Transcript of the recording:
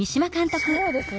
そうですね。